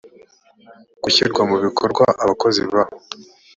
gushyirwa mu bikorwa abakozi ba osc